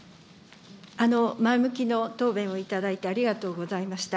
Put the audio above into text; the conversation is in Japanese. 前向きの答弁をいただいてありがとうございました。